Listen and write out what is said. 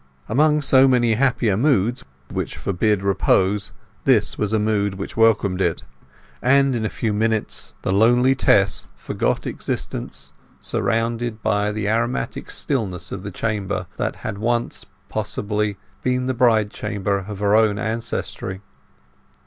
Among so many happier moods which forbid repose this was a mood which welcomed it, and in a few minutes the lonely Tess forgot existence, surrounded by the aromatic stillness of the chamber that had once, possibly, been the bride chamber of her own ancestry.